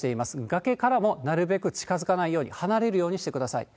崖からもなるべく近づかないように、離れるようにしてください。